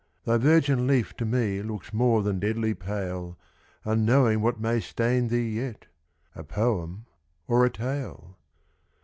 thy virgin leaf To me looks more than deadly pale, Unknowing what may stain thee yet, A poem or a tale.